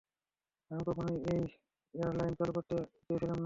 আমি কখনো ওই এয়ারলাইন চালু করতে চেয়েছিলাম না।